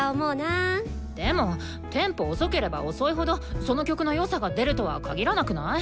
でもテンポ遅ければ遅いほどその曲のよさが出るとはかぎらなくない？